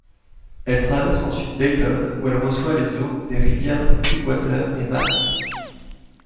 Elle traverse ensuite Dayton où elle reçoit les eaux des rivières Stillwater et Mad.